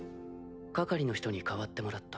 係の人に代わってもらった。